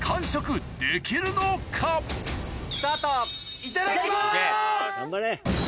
いただきます！